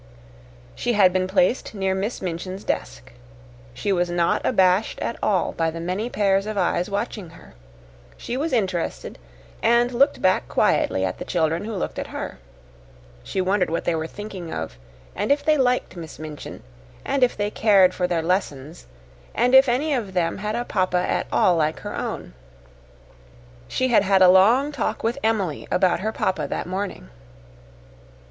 She had been placed near Miss Minchin's desk. She was not abashed at all by the many pairs of eyes watching her. She was interested and looked back quietly at the children who looked at her. She wondered what they were thinking of, and if they liked Miss Minchin, and if they cared for their lessons, and if any of them had a papa at all like her own. She had had a long talk with Emily about her papa that morning.